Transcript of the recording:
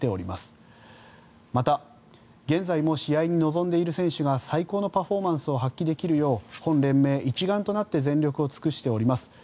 また、現在も試合に臨んでいる選手が最高のパフォーマンスを発揮できるよう本連盟、一丸となって全力を尽くしております。